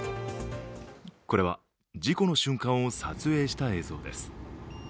これは事故の瞬間を撮影した映像です。